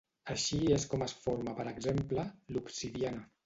Així és com es forma per exemple, l'obsidiana.